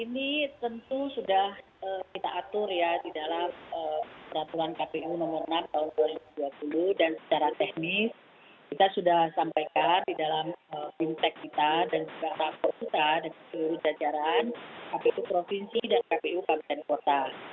ini tentu sudah kita atur ya di dalam peraturan kpu nomor enam tahun dua ribu dua puluh dan secara teknis kita sudah sampaikan di dalam fintech kita dan secara rapor kota dan seluruh jajaran kpu provinsi dan kpu kabupaten kota